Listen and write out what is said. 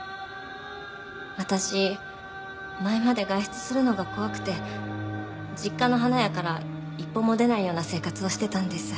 私前まで外出するのが怖くて実家の花屋から一歩も出ないような生活をしてたんです。